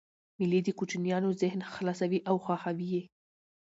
مېلې د کوچنيانو ذهن خلاصوي او خوښوي یې.